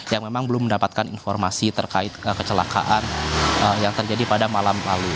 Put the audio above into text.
yang memang belum mendapatkan informasi terkait kecelakaan yang terjadi pada malam lalu